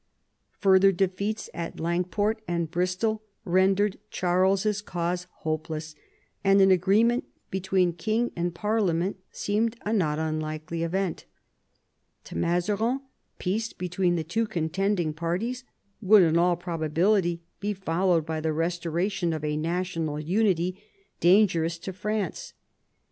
Further defeats at Lang port and Bristol rendered Charles's cause hopeless, and an agreement between king and parliament seemed a not unlikely event. To Mazarin peace between the two contending parties would in all probability be followed by the restoration of a national unity dangerous to France.